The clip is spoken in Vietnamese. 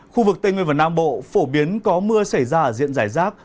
khu vực tây nguyên và nam bộ phổ biến có mưa xảy ra ở diện giải rác